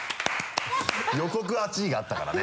予告「熱い」があったからね。